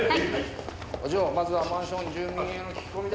お嬢まずはマンション住民への聞き込みだ。